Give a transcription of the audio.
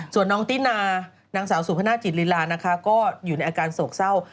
ส่วนน้องตินานางสาวสุพนาจิตลีลานะคะก็อยู่ในอาการโศกเศร้า